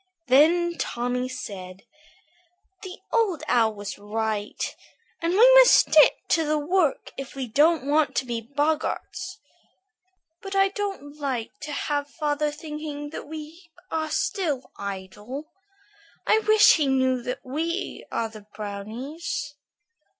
Then Tommy said: "The Old Owl was right, and we must stick to the work if we don't want to be boggarts. But I don't like to have father thinking that we are still idle. I wish he knew that we are the brownies."